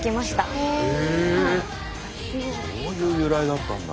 へえそういう由来だったんだ。